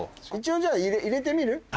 一応じゃあ入れてみる？